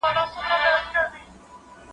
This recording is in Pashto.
کېدای سي انځور تاريک وي!.